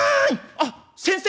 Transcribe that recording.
「あっ先生！」。